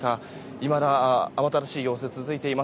いまだ慌ただしい様子が続いています。